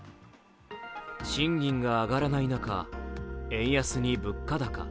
賃金が上がらない中、円安に物価高。